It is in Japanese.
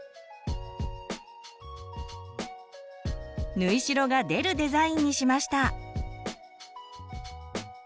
縫い代が出るデザインにしました。